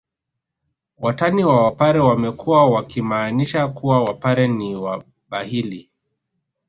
Watani wa wapare wamekuwa wakimaanisha kuwa wapare ni wabahili